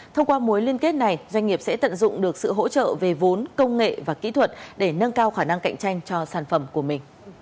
thông qua mối liên kết này doanh nghiệp sẽ tận dụng được sự hỗ trợ về vốn công nghệ và kỹ thuật để nâng cao khả năng cạnh tranh cho sản phẩm của mình